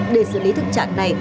để xử lý thức trạng này